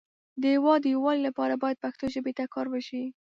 د هیواد د یو والی لپاره باید پښتو ژبې ته کار وشی